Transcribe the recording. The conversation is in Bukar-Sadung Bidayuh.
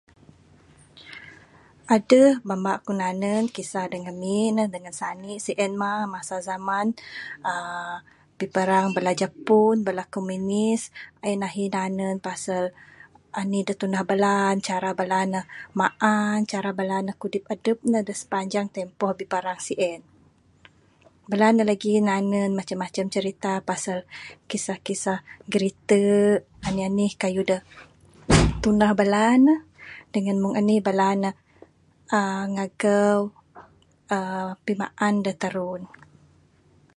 Adeh mamba ku nanen kisah da ngamin ne dengan sanik sien mah masa zaman aaa biparang bala japon bala komunis en ahi nanen pasel anih da tunah bala, cara bala neh maan cara bala neh kudip adep neh da sipanjang tempoh biparang sien. Bala ne lagi nanen macem macem crita pasel kisah kisah girete anih anih kayuh da tunah bala neh, dengan meng anih bala neh aa ngageu aaa pimaan da tarun.